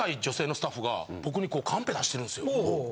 僕にこうカンペ出してるんですよ。